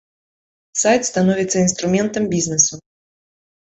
Сайт становіцца інструментам бізнесу.